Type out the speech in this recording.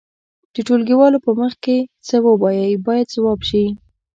د ټولګيوالو په مخ کې څه ووایئ باید ځواب شي.